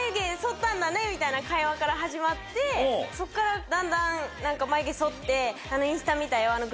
みたいな会話から始まってそこからだんだん眉毛剃ってインスタ見たよ。